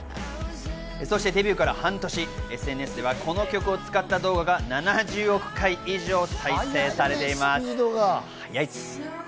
そしてデビューから半年、ＳＮＳではこの曲を使った動画が７０億回以上、再生されています。